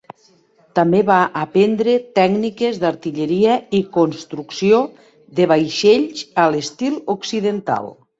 També va aprendre tècniques d'artilleria i construcció de vaixells a l'estil occidental.